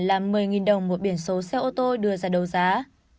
là một mươi đồng một biển số xe ô tô đưa ra đấu giá